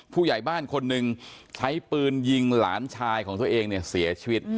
ผู้ใหญ่บ้านคนหนึ่งใช้ปืนยิงหลานชายของตัวเองเนี่ยเสียชีวิต